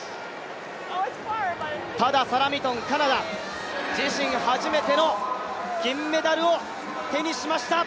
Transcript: ただサラ・ミトン、カナダ、自身初めての銀メダルを手にしました。